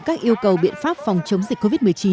các yêu cầu biện pháp phòng chống dịch covid một mươi chín